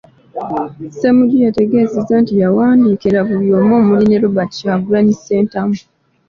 Ssemujju yategeezezza nti yawandiikira buli omu omuli ne Robert Kyagulanyi Ssentamu.